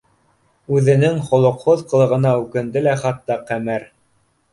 Үҙенең холоҡһоҙ ҡылығына үкенде лә хатта Ҡәмәр